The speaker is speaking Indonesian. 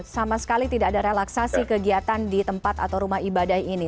sama sekali tidak ada relaksasi kegiatan di tempat atau rumah ibadah ini